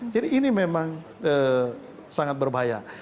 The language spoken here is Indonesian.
jadi ini memang sangat berbahaya